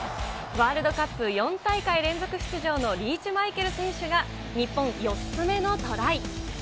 ワールドカップ４大会連続出場のリーチマイケル選手が日本４つ目のトライ。